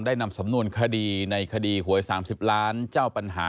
นำสำนวนคดีในคดีหวย๓๐ล้านเจ้าปัญหา